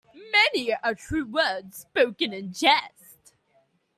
Many a true word spoken in jest.